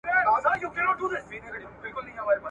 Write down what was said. د زمري پر ټول وجود یې کړل وارونه !.